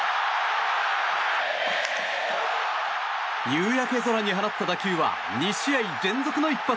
夕焼け空に放った打球は２試合連続の一発。